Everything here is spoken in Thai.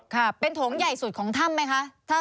ค่ะเป็นโถงใหญ่สุดของถ้ำไหมคะ